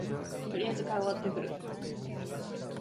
とりあえず顔洗ってくる